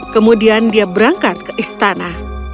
kemudian dia berangkat ke istana